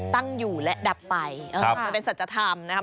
ตั้งอยู่และดับไฟมันเป็นสัจธรรมนะครับ